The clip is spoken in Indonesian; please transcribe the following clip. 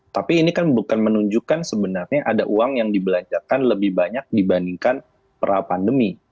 tapi ini kan bukan menunjukkan sebenarnya ada uang yang dibelanjakan lebih banyak dibandingkan pera pandemi